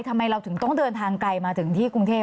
ทำไมเราถึงต้องเดินทางไกลมาถึงที่กรุงเทพ